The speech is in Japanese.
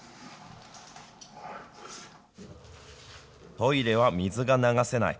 トイレは水が流せない。